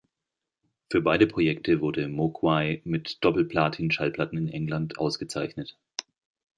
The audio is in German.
Für beide Projekte wurde Moguai mit Doppel-Platin-Schallplatten in England ausgezeichnet.